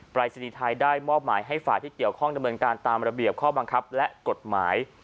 รายศนีย์ไทยได้มอบหมายให้ฝ่ายที่เกี่ยวข้องดำเนินการตามระเบียบข้อบังคับและกฎหมาย